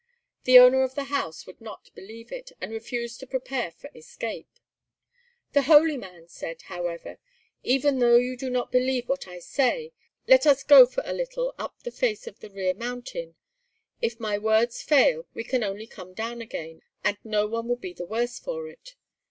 The owner of the house would not believe it, and refused to prepare for escape. The "holy man" said, however, "Even though you do not believe what I say, let us go for a little up the face of the rear mountain. If my words fail we can only come down again, and no one will be the worse for it.